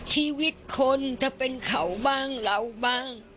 ชีวิตคนถ้าเป็นเขาบ้างเราบ้าง